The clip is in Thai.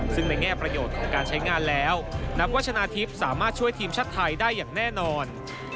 ซึ่งในแง่ประโยชน์ของการใช้งานแล้วนักวัชนาทิพย์สามารถช่วยทีมชาติไทยได้อย่างแน่นอน